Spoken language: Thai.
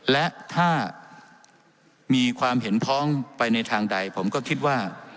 และถ้ามีความเห็นพ้องไปในทางใดผมก็คิดว่า